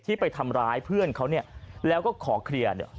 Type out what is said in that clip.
ที่ไปทำร้ายเพื่อนเขาแล้วก็ขอเคลียร์เดี๋ยว